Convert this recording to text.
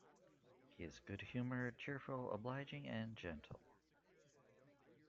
He is good-humoured, cheerful, obliging, and gentle.